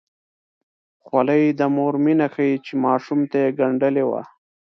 خولۍ د مور مینه ښيي چې ماشوم ته یې ګنډلې وي.